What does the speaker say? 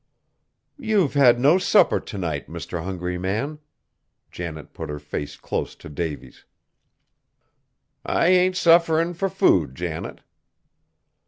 "You've had no supper to night, Mr. Hungry Man!" Janet put her face close to Davy's. "I ain't sufferin' fur food, Janet."